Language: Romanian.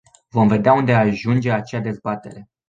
Vom vedea unde ajunge acea dezbatere.